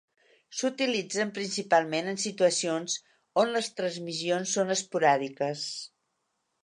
S'utilitzen principalment en situacions on les transmissions són esporàdiques.